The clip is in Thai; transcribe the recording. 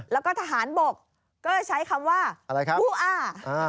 และทหารบกก็ใช้คำว่าฮูอ่า